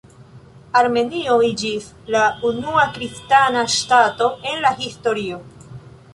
Armenio iĝis la unua kristana ŝtato en la historio.